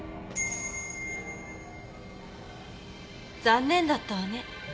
残念だったわね。